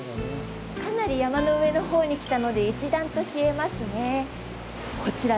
かなり山の上のほうに来たので一段と冷えますね。